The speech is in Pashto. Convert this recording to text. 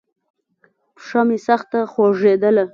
پښه مې سخته خوږېدله.